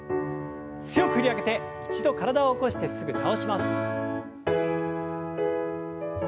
強く振り上げて一度体を起こしてすぐ倒します。